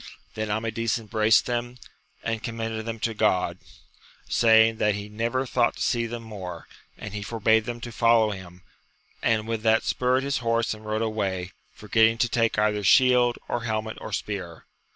Then Amadis embraced them, and commended them to God, saying that he never thought to see them more, and he forbade them to follow him ; and with that spurred his horse and rode away, forgetting to take either shield, or helmet, or spear.